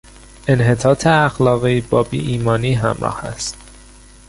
انحطاط اخلاقی با بیایمانی همراه است.